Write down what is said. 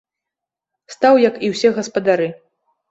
Стаў, як і ўсе гаспадары.